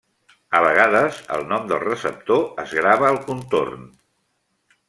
A vegades el nom del receptor es grava al contorn.